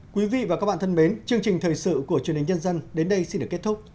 quý vị và các bạn thân mến chương trình thời sự của truyền hình nhân dân đến đây xin được kết thúc